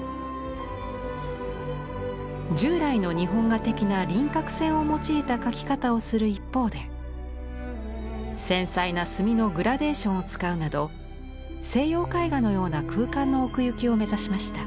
従来の日本画的な輪郭線を用いた描き方をする一方で繊細な墨のグラデーションを使うなど西洋絵画のような空間の奥行きを目指しました。